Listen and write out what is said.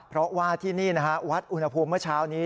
เพราะว่าที่นี่นะฮะวัดอุณหภูมิเมื่อเช้านี้